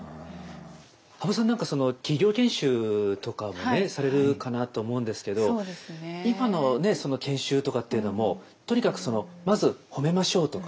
羽生さん何かその企業研修とかもねされるかなと思うんですけど今のね研修とかっていうのもとにかくそのまず褒めましょうとか。